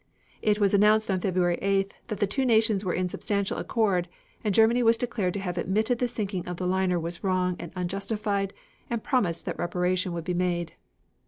It was announced on February 8th that the two nations were in substantial accord and Germany was declared to have admitted the sinking of the liner was wrong and unjustified and promised that reparation would be made.